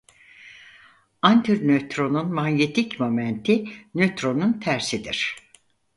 Antinötronun manyetik momenti nötronun tersidir.